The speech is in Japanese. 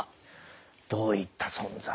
どういった存在ね。